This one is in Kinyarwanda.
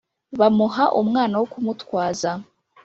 bamuha umwana wo kumutwaza